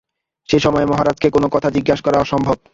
সে-সময়ে মহারাজকে কোনো কথা জিজ্ঞাসা করা অসম্ভব।